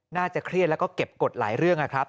น่าจะเครียดแล้วก็เก็บกฎหลายเรื่องนะครับ